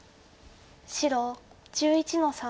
白１１の三。